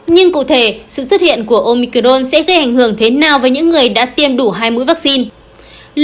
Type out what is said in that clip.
nhưng cụ thể sự xuất hiện của omicron sẽ gây ảnh hưởng thế nào với những người đã tiêm đủ hai mũi vaccine